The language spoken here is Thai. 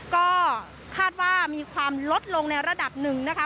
ก็คาดว่ามีความลดลงในระดับหนึ่งนะคะ